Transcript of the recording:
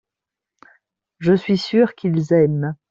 je suis sûr qu'ils aiment.